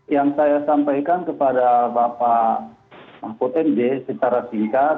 yang saya sampaikan kepada bapak mahfud md secara singkat